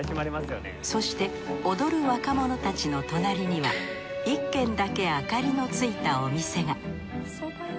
そして踊る若者たちの隣には一軒だけ明かりのついたお店が。